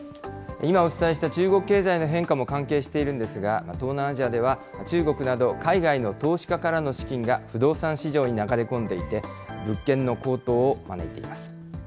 今、お伝えした中国経済の変化も関係しているんですが、東南アジアでは中国など海外の投資家からの資金が不動産市場に流れ込んでいて、物件の高騰を招いています。